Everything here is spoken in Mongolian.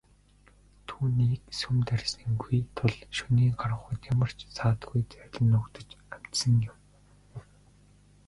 Түүнийг сум дайрсангүй тул шөнийн харанхуйд ямар ч саадгүй зайлан нуугдаж амжсан юм.